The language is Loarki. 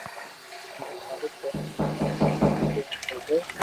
ھون ٿاري ڪوم نا آوو تي ڪي ري آوئ